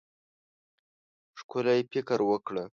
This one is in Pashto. ښکلی فکر وکړه.